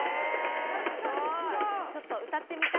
確かに違う！